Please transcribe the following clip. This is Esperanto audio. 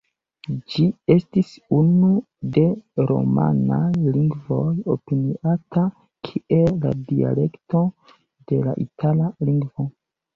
Ĝi estas unu de romanaj lingvoj opiniata kiel la dialekto de la itala lingvo.